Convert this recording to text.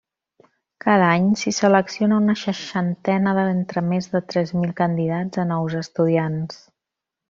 Cada any s'hi selecciona una seixantena d'entre més de tres mil candidats a nous estudiants.